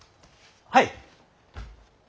はい。